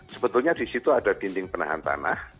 sebetulnya di situ ada dinding penahan tanah